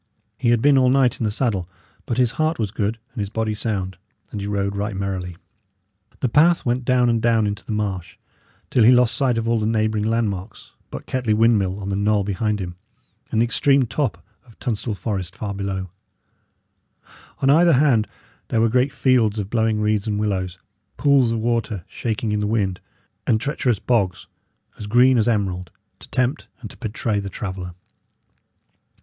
He had been all night in the saddle, but his heart was good and his body sound, and he rode right merrily. The path went down and down into the marsh, till he lost sight of all the neighbouring landmarks but Kettley windmill on the knoll behind him, and the extreme top of Tunstall Forest far before. On either hand there were great fields of blowing reeds and willows, pools of water shaking in the wind, and treacherous bogs, as green as emerald, to tempt and to betray the traveller.